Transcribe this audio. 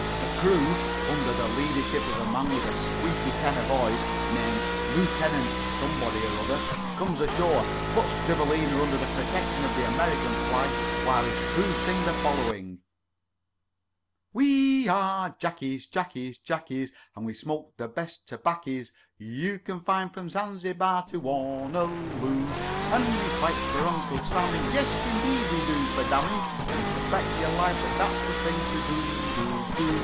The crew, under the leadership of a man with a squeaky tenor voice, named Lieutenant Somebody or Other, comes ashore, puts Drivelina under the protection of the American flag, while his crew sing the following: "We are jackies, jackies, jackies, And we smoke the best tobaccys You can find from Zanzibar to Honeyloo. And we fight for Uncle Sammy, Yes, indeed we do, for damme You can bet your life that that's the thing to do, Doodle do!